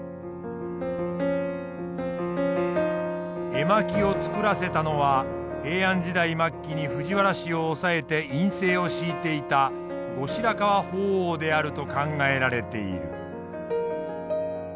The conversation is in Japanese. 絵巻を作らせたのは平安時代末期に藤原氏を抑えて院政を敷いていた後白河法皇であると考えられている。